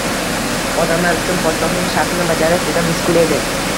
Odamlar uchun podshohning shartini bajarish juda mushkul edi